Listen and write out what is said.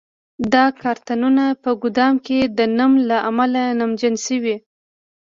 دا کارتنونه په ګدام کې د نم له امله نمجن شوي.